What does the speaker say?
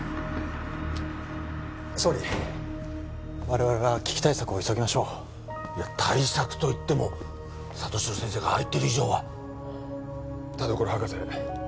総理我々は危機対策を急ぎましょういや対策といっても里城先生がああ言ってる以上は田所博士